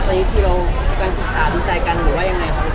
ตอนนี้คือเราการศึกษาดูใจกันหรือว่ายังไงคะ